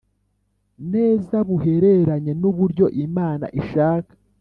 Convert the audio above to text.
neza buhereranye n uburyo Imana ishaka